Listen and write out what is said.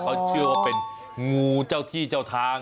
เขาเชื่อว่าเป็นงูเจ้าที่เจ้าทาง